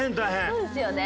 そうですよね。